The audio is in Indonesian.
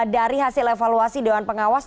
dari hasil evaluasi dewan pengawas